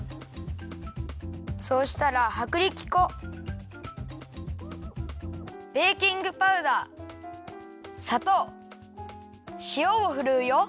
そうしたらはくりき粉ベーキングパウダーさとうしおをふるうよ。